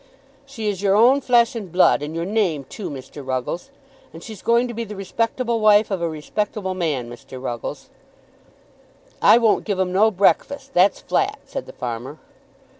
"She is your own flesh and blood, and your name, too, Mr. Ruggles. And she's going to be the respectable wife of a respectable man, Mr. Ruggles." "I won't give 'em no breakfast; that's flat," said the farmer.